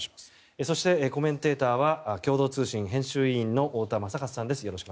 そしてコメンテーターは共同通信編集委員の太田昌克さんです。